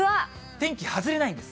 天気、外れないんです。